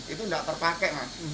itu tidak terpakai